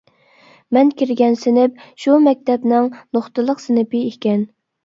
مەن كىرگەن سىنىپ شۇ مەكتەپنىڭ نوختىلىق سىنىپى ئىكەن.